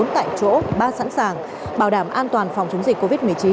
bốn tại chỗ ba sẵn sàng bảo đảm an toàn phòng chống dịch covid một mươi chín